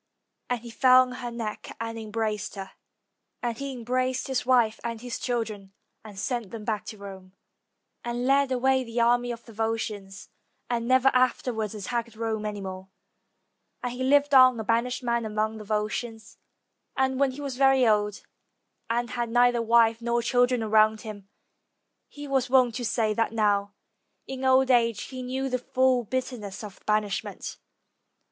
Then he fell on her neck and embraced her, and he embraced his wife and his children and sent them back to Rome ; and led away the army of the Volscians, and never afterwards at tacked Rome any more ; and he lived on a banished man among the Volscians, and when he was very old, and had neither wife nor children around him, he was wont to say that now in old age he knew the full bitterness of banishment.